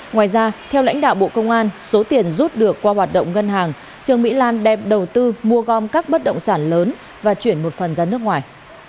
ngoài ra theo lãnh đạo bộ công an số tiền rút được qua hoạt động ngân hàng trương mỹ lan đem đầu tư mua gom các bất động sản lớn và chuyển một phần ra nước ngoài